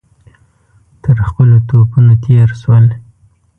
تر خپلو توپونو تېر شول.